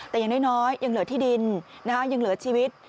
แต่อย่างน้อยยังเหลือที่ดินยังเหลือชีวิต